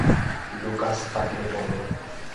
Lucas, তাকে বল।